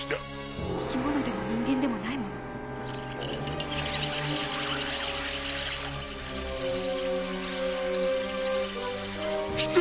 生き物でも人間でもないもの？来た！